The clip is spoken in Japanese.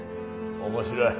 面白い。